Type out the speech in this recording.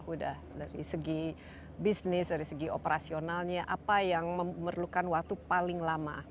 udah dari segi bisnis dari segi operasionalnya apa yang memerlukan waktu paling lama